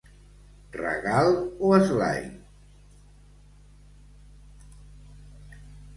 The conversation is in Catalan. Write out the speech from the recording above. Regal o esglai.